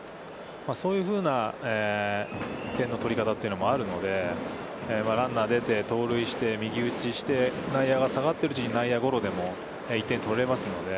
そういうふうな点の取り方というのもあるので、ランナーが出て、盗塁して、右打ちして、内野が下がっているうちに内野ゴロでも１点取れますので。